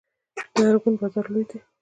د ارګون بازار لوی دی